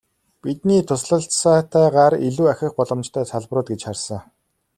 Бидний туслалцаатайгаар илүү ахих боломжтой салбарууд гэж харсан.